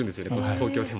東京でも。